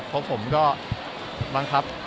เพราะผมก็บังคับ